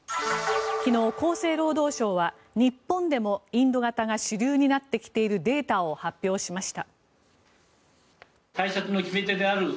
昨日、厚生労働省は日本でもインド型が主流になってきているデータを発表しました。